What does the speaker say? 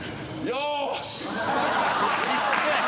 よし。